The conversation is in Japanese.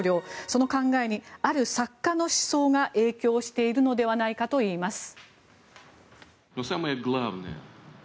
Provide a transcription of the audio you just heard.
その考えにある作家の思想が影響しているのではないかといいます。